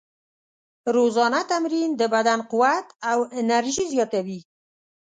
روزانه تمرین د بدن قوت او انرژي زیاتوي.